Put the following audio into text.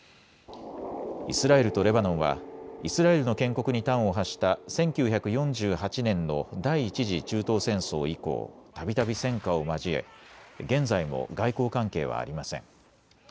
イスラエルとレバノンはイスラエルの建国に端を発した１９４８年の第１次中東戦争以降、たびたび戦火を交え現在も外交関係はありません。